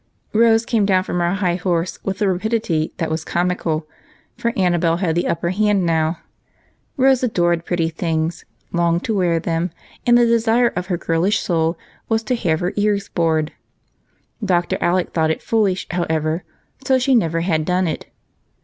Rose came down from her high horse with a rapidity that was comical, for Annabel had the upper hand now. Rose adored pretty things, longed to wear them, and the desire of her girlish soul was to have her ears bored, only Dr. Alec thought it fool ish, so she never had done it.